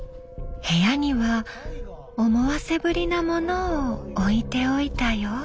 部屋には思わせぶりなものを置いておいたよ。